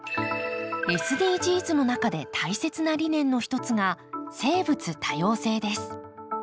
ＳＤＧｓの中で大切な理念の一つが生物多様性です。